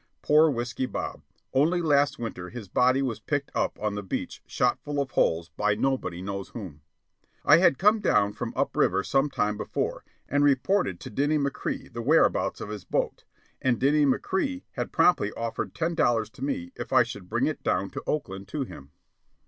(Poor Whiskey Bob! Only last winter his body was picked up on the beach shot full of holes by nobody knows whom.) I had come down from "up river" some time before, and reported to Dinny McCrea the whereabouts of his boat; and Dinny McCrea had promptly offered ten dollars to me if I should bring it down to Oakland to him.